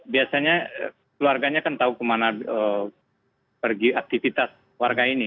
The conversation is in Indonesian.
biasanya keluarganya kan tahu kemana pergi aktivitas warga ini